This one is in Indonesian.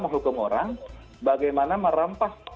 menghukum orang bagaimana merampas